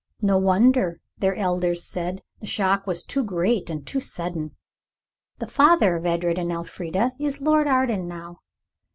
No wonder, their elders said. The shock was too great and too sudden. The father of Edred and Elfrida is Lord Arden now.